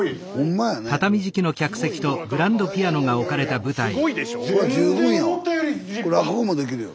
これ落語もできるよ。